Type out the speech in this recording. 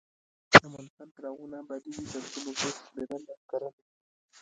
افغانستان تر هغو نه ابادیږي، ترڅو نفوس شمېرنه کره نشي.